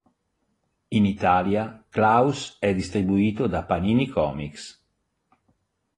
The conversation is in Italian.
In Italia Klaus è distribuito da Panini Comics.